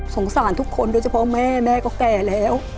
สารทุกคนโดยเฉพาะแม่แม่ก็แก่แล้ว